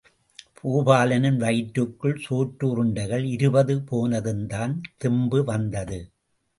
பூபாலனின் வயிற்றுக்குள் சோற்று உருண்டைகள் இருபது போனதும்தான் தெம்பு வந்தது.